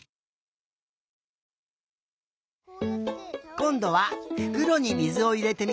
こんどはふくろにみずをいれてみたよ。